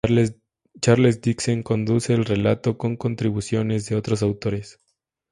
Charles Dickens conduce el relato con contribuciones de otros autores.